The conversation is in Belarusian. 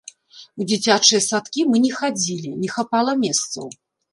У дзіцячыя садкі мы не хадзілі, не хапала месцаў.